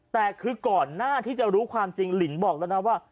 แต่คือก่อนหน้าที่จะรู้ความจริงลินบอกแล้วนะว่า